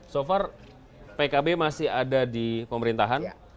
so far pkb masih ada di pemerintahan